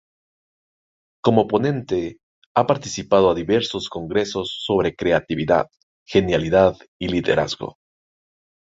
Como ponente, ha participado a diversos congresos sobre creatividad, genialidad y liderazgo.